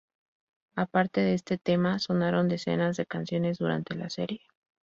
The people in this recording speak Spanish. Aparte de este tema, sonaron decenas de canciones durante la serie.